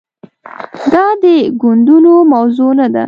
دا د ګوندونو موضوع نه ده.